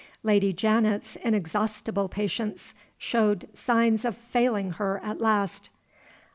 Lady Janet's inexhaustible patience showed signs of failing her at last.